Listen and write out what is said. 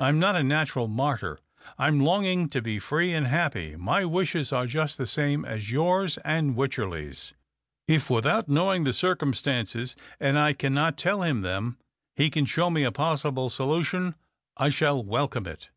I'm not a natural martyr. I'm longing to he free and happy. My wishes are just the same as yours and Wycherley's. If without knowing the cir cumstances — and I cannot tell him them — he can show me a possible solution, I shall welcome it."